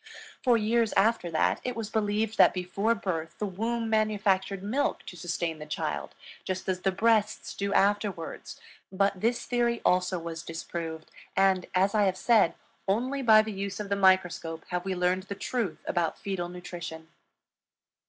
For years after that, it was believed that before birth the womb manufactured milk to sustain the child, just as the breasts do afterwards; but this theory also was disproved; and, as I have said, only by the use of the microscope have we learned the truth about fetal nutrition.